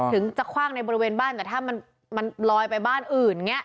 ถึงจะคว่างในบริเวณบ้านแต่ถ้ามันลอยไปบ้านอื่นอย่างนี้